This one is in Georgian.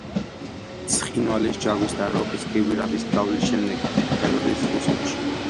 ცხინვალის, ჯავის და როკის გვირაბის გავლის შემდეგ გადადის რუსეთში.